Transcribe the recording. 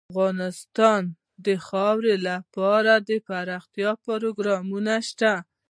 افغانستان کې د خاوره لپاره دپرمختیا پروګرامونه شته.